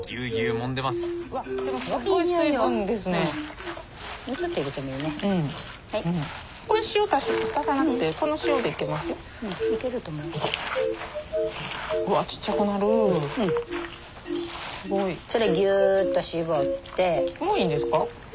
もういいんですか？